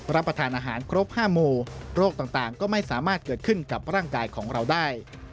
รับประทานอาหารครบ๕โมโรคต่างก็ไม่สามารถเกิดขึ้นกับร่างกายของเราได้